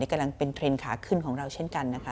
กำลังเป็นเทรนด์ขาขึ้นของเราเช่นกันนะคะ